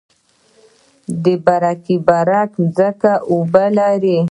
د برکي برک ځمکې اوبه لري